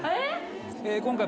今回。